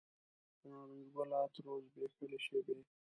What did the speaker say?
د نارنج ګل عطرو زبیښلې شیبې